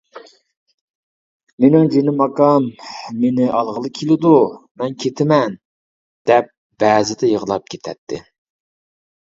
مېنىڭ جېنىم ئاكام، مېنى ئالغىلى كېلىدۇ، مەن كېتىمەن!،- دەپ، بەزىدە يىغلاپ كېتەتتى.